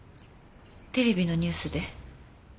テレビのニュースで。